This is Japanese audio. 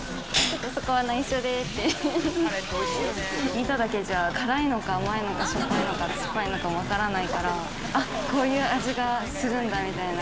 見ただけじゃ辛いのか甘いのかしょっぱいのか酸っぱいのかも分からないからあっこういう味がするんだみたいな。